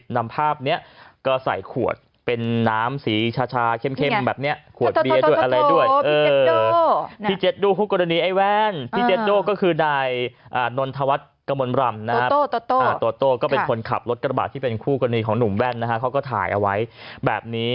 นำภาพนี้ก็ใส่ขวดเป็นน้ำสีชาเข้มแบบนี้